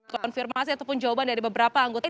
konfirmasi ataupun jawaban dari beberapa anggota